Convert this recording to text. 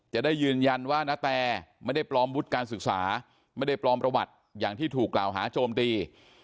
จะได้ยืนยันว่านาแตไม่ได้ปลอมวุฒิการศึกษาไม่ได้ปลอมประวัติอย่างที่ถูกกล่าวหาโจมตี